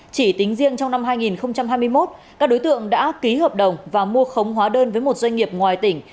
chỉ tính riêng trong năm hai nghìn hai mươi một các đối tượng đã ký hợp đồng và mua khống hóa đơn với một doanh nghiệp ngoài tỉnh